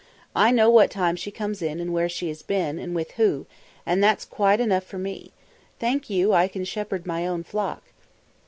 "I know what time she comes in and where she has been, and who with, and that's quite enough for me. Thank you, I can shepherd my own flock!"